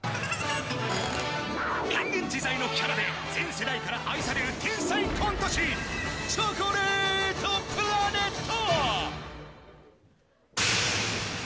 変幻自在のキャラで、全世代から愛される天才コント師、チョコレートプラネット。